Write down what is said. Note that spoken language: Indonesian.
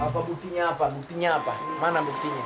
apa buktinya apa buktinya apa mana buktinya